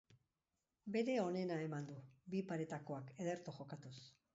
Bere onena eman du, bi paretakoak ederto jokatuz.